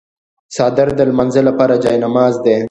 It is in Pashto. څادر د لمانځه لپاره جای نماز دی.